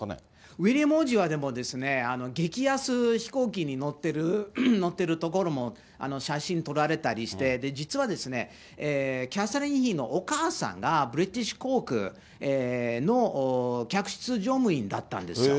ウィリアム王子は、でもですね、激安飛行機に乗ってるところも写真撮られたりして、実はキャサリン妃のお母さんが、ブリティッシュ航空の客室乗務員だったんですよ。